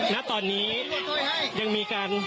ณตอนนี้ยังมีการ